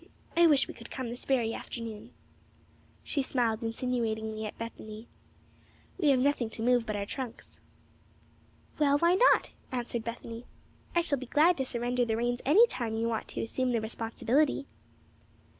I wish we could come this very afternoon." She smiled insinuatingly at Bethany. "We have nothing to move but our trunks." "Well, why not?" answered Bethany. "I shall be glad to surrender the reins any time you want to assume the responsibility."